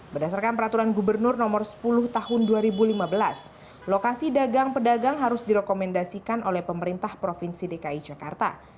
berdasarkan peraturan gubernur nomor sepuluh tahun dua ribu lima belas lokasi dagang pedagang harus direkomendasikan oleh pemerintah provinsi dki jakarta